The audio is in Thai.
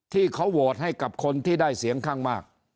ที่เขาโหวตให้กับคนที่ได้เสียงข้างมาก